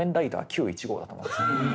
旧１号だと思うんですよ。